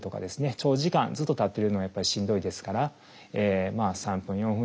長時間ずっと立ってるのはやっぱりしんどいですからまあ３分４分